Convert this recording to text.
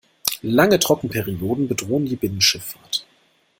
Lange Trockenperioden bedrohen die Binnenschifffahrt.